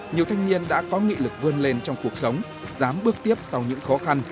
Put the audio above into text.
nhiều thanh niên đã có nghị lực vươn lên trong cuộc sống dám bước tiếp sau những khó khăn